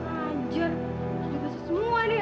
anjir ini berasa semua nih ya